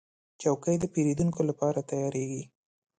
چوکۍ د پیرودونکو لپاره تیارېږي.